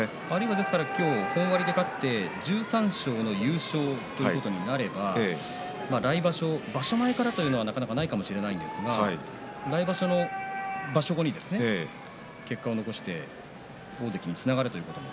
ですから今日本割で勝って１３勝の優勝ということになれば来場所、場所前からということはないかもしれませんが来場所の場所後に結果を残して大関につながるということが。